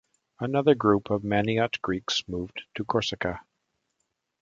Another group of Maniot Greeks moved to Corsica.